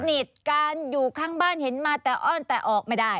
นิดการอยู่ข้างบ้านเห็นมาแต่อ้อนแต่ออกไม่ได้